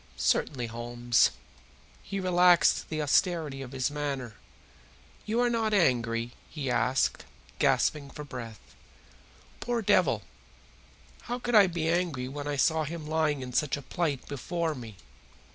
"Certainly, Holmes." He relaxed the austerity of his manner. "You are not angry?" he asked, gasping for breath. Poor devil, how could I be angry when I saw him lying in such a plight before me?